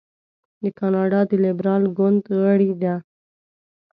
د کاناډا د لیبرال ګوند غړې ده.